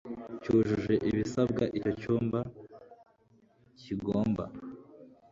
cyujuje ibisabwa icyo cyumba kigomba